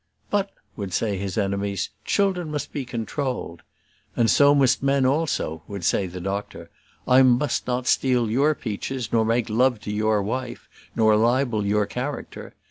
"But," would say his enemies, "children must be controlled." "And so must men also," would say the doctor. "I must not steal your peaches, nor make love to your wife, nor libel your character.